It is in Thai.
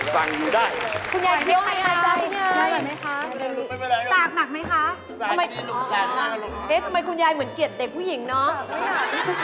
ตรงนี้ช่วยหนูสิคุณยายคุณยายเดี๋ยวให้สาวช่วยคุณยาย